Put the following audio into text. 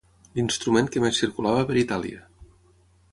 L'instrument que més circulava per Itàlia.